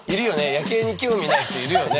夜景に興味ない人いるよね。